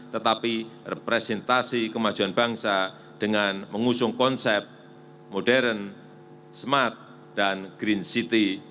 tetapi representasi kemajuan bangsa dengan mengusung konsep modern smart dan green city